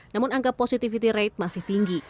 namun angka positivity rate masih tinggi